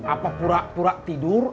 apa pura pura tidur